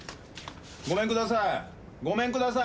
ごめんください。